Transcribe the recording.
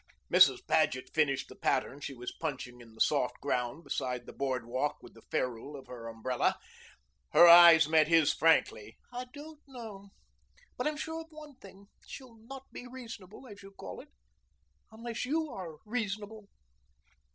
Mrs. Paget finished the pattern she was punching in the soft ground beside the board walk with the ferrule of her umbrella. Her eyes met his frankly. "I don't know. But I'm sure of one thing. She'll not be reasonable, as you call it, unless you are reasonable."